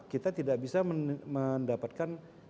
kita tidak bisa mendapatkan